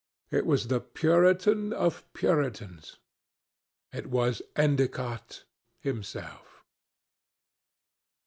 It was the Puritan of Puritans: it was Endicott himself.